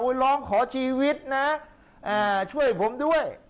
ร้องขอชีวิตนะช่วยผมด้วย